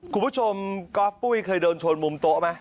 คุณผู้ชมก๊อฟปุ้ยเคยโดนชนมุมโต๊ะไหม